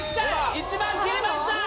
１万切りました